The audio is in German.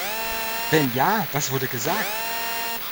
Wenn ja, was wurde gesagt?